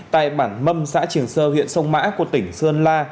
tại bản mâm xã trường sơ huyện sông mã của tỉnh sơn la